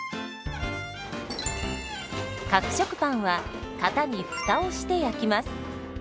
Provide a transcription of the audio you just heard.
角食パンは型に「フタ」をして焼きます。